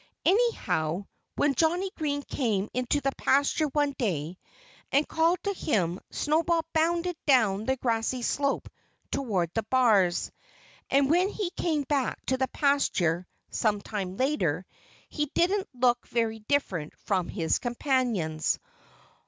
Anyhow, when Johnnie Green came into the pasture one day and called to him Snowball bounded down the grassy slope toward the bars. And when he came back to the pasture, some time later, he didn't look very different from his companions.